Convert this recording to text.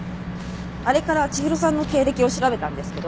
あれから千尋さんの経歴を調べたんですけど